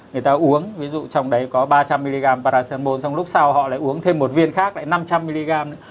người ta uống ví dụ trong đấy có ba trăm linh mg paracemol trong lúc sau họ lại uống thêm một viên khác lại năm trăm linh mg nữa